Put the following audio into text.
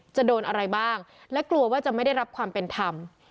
จะโดนอะไรบ้างและกลัวว่าจะไม่ได้รับความเป็นธรรม